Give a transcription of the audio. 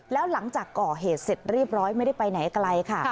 แล้วหลังจากก่อเหตุเสร็จเรียบร้อยไม่ได้ไปไหนไกลค่ะ